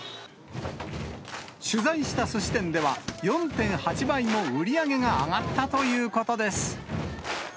取材したすし店では、４．８倍も売り上げが上がったということです。